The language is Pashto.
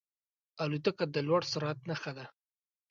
الوتکه د لوړ سرعت نښه ده.